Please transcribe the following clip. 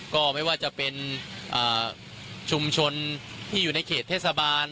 ก็ไม่ว่าจะเป็นชุมชนที่อยู่ในเขตเทศบาล